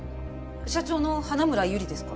社長の花村友梨ですか？